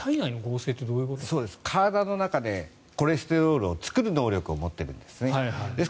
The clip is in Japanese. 体の中でコレステロールを作る能力を持っているんです。